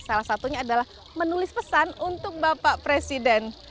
salah satunya adalah menulis pesan untuk bapak presiden